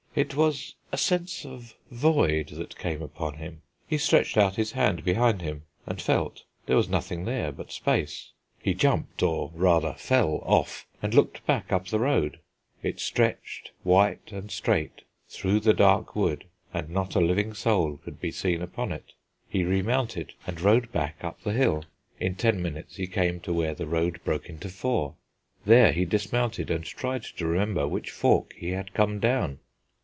It was a sense of void that came upon him. He stretched out his hand behind him, and felt; there was nothing there but space. He jumped, or rather fell off, and looked back up the road; it stretched white and straight through the dark wood, and not a living soul could be seen upon it. He remounted, and rode back up the hill. In ten minutes he came to where the road broke into four; there he dismounted and tried to remember which fork he had come down.